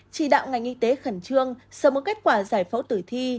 chỉ đạo ngành y tế khẩn trương sở mức kết quả giải phẫu tử thi